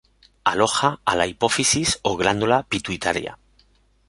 Aloja a la hipófisis o glándula pituitaria.